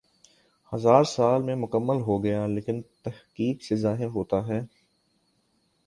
ہزا ر سال میں مکمل ہوگا لیکن تحقیق سی ظاہر ہوتا ہی